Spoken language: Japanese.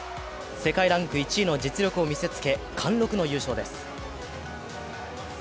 世界ランク１位の実力を見せつけ貫禄の優勝です。